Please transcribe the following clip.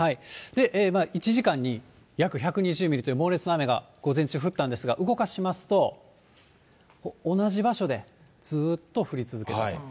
１時間に約１２０ミリという猛烈な雨が午前中降ったんですが、動かしますと、同じ場所でずーっと降り続く。